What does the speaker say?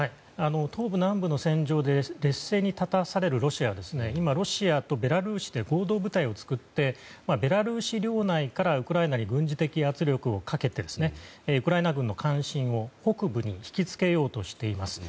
東部、南部の戦場で劣勢に立たされるロシアは、今ロシアとベラルーシで合同部隊を作ってベラルーシ領内からウクライナに軍事的圧力をかけてウクライナ軍の関心を北部に引きつけようとしています。